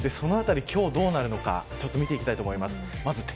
そのあたり、今日どうなるのか見ていきたいと思います。